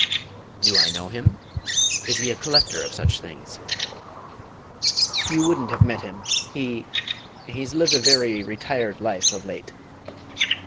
"Do I know him? Is he a collector of such things?" "You wouldn't have met him; he he's lived a very retired life of late."